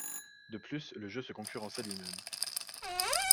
De plus, le jeu se concurrençait lui-même.